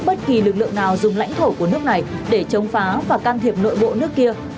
bất kỳ lực lượng nào dùng lãnh thổ của nước này để chống phá và can thiệp nội bộ nước kia